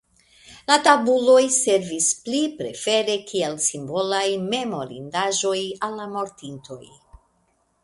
La tabuloj servis pli prefere kiel simbolaj memorindaĵoj al la mortintoj.